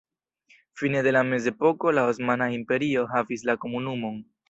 Fine de la mezepoko la Osmana Imperio havis la komunumon.